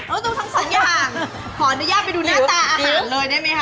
ต้องทั้งสองอย่างขออนุญาตไปดูหน้าตาอาหารเลยได้ไหมคะ